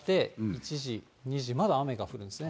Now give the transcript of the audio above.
１時、２時、まだ雨が降るんですね。